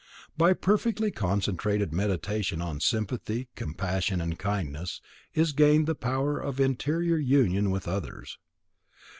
By perfectly concentrated Meditation on sympathy, compassion and kindness, is gained the power of interior union with others.